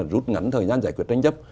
rút ngắn thời gian giải quyết tranh chấp